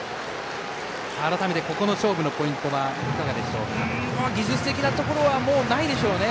改めて、ここの勝負のポイントはいかがですか。